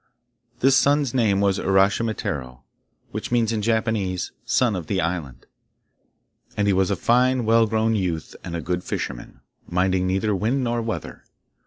This son's name was Uraschimataro, which means in Japanese, 'Son of the island,' and he was a fine well grown youth and a good fisherman, minding neither wind nor weather.